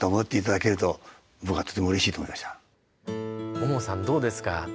ももさんどうですか？